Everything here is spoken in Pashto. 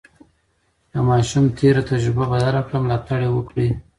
که ماشوم تېره تجربه بدله کړه، ملاتړ یې وکړئ.